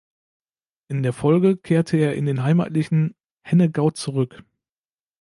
In der Folge kehrte er in den heimatlichen Hennegau zurück.